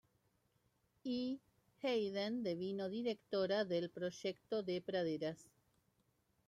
Y, Hayden devino directora del "Proyecto de Praderas".